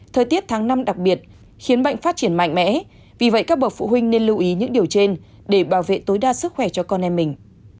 thời tiết tháng năm đặc biệt khiến bệnh phát triển mạnh mẽ vì vậy các bậc phụ huynh nên lưu ý những điều trên để bảo vệ tối đa sức khỏe cho con em mình